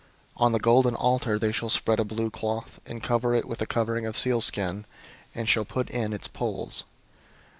004:011 On the golden altar they shall spread a blue cloth, and cover it with a covering of sealskin, and shall put in its poles.